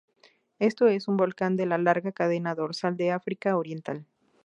Este es un volcán de la larga cadena dorsal del África oriental.